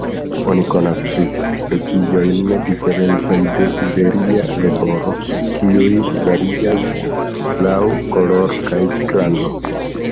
Oni konas tri subspeciojn diferencajn de Iberia leporo, kiuj varias laŭ koloro kaj grando.